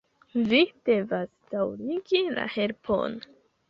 Vi devas daŭrigi la helpon!